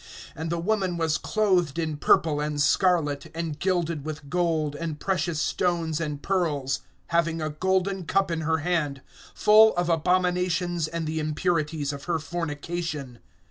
(4)And the woman was clothed in purple and scarlet, and gilded with gold, and precious stones and pearls, having a golden cup in her hand, full of abominations and the impurities of her fornication.